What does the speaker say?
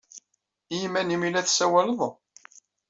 I yiman-nnem ay la tessawaled?